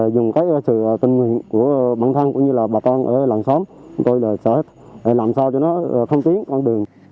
đây là tuyến đường